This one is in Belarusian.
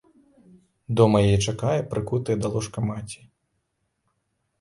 Дома яе чакае прыкутая да ложка маці.